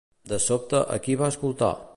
De sobte, a qui va escoltar?